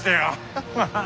ハハハッ！